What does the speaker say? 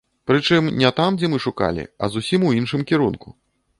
Прычым не там, дзе мы шукалі, а зусім у іншым кірунку.